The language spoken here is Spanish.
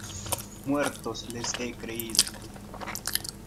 ¡ muertos les he creído!